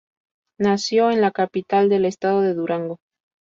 Nació en la capital del Estado de Durango.